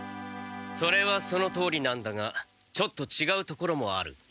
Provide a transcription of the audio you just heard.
それはそのとおりなんだがちょっとちがうところもある。